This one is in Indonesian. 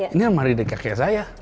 ini lemari dari kakek saya